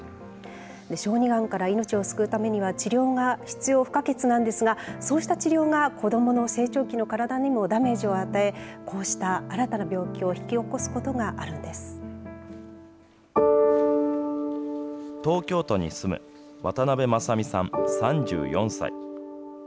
小児がんから命を救うためには、治療が必要不可欠なんですが、そうした治療が子どもの成長期の体にもダメージを与え、こうした新たな病気を引き起こすことがある東京都に住む渡邉真佐美さん３４歳。